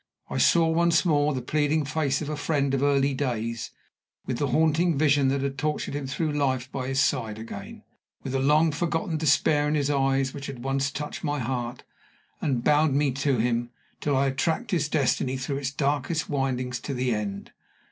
I saw once more the pleading face of a friend of early days, with the haunting vision that had tortured him through life by his side again with the long forgotten despair in his eyes which had once touched my heart, and bound me to him, till I had tracked his destiny through its darkest windings to the end.